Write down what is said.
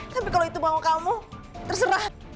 tapi kalau itu bawa kamu terserah